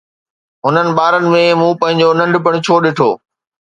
هنن ٻارن ۾ مون پنهنجو ننڍپڻ ڇو ڏٺو؟